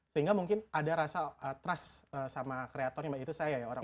sehingga mungkin ada rasa trust sama kreatornya itu saya ya orang